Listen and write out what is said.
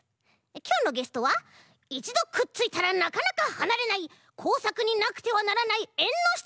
きょうのゲストはいちどくっついたらなかなかはなれないこうさくになくてはならないえんのしたのちからもち！